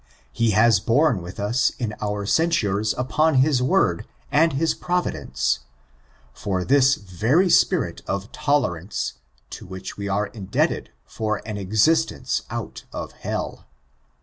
He has borne with us in our censures upon his Word and his providence, for this very spirit of tcilerance, to which we are indebted for an existence out of hell.